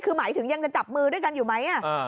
คือหมายถึงยังจะจับมือด้วยกันอยู่ไหม